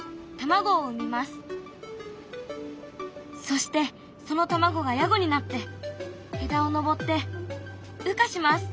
そしてその卵がヤゴになって枝を登って羽化します。